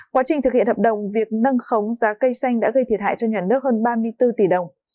quá trình thực hiện hợp đồng việc nâng khống giá cây xanh đã gây thiệt hại cho nhà nước hơn ba mươi bốn tỷ đồng